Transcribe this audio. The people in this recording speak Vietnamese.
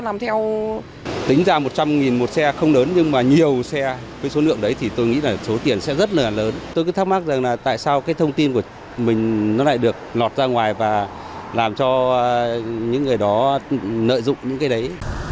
mình nó lại được lọt ra ngoài và làm cho những người đó nợ dụng những cái đấy